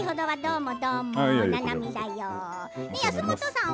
安元さん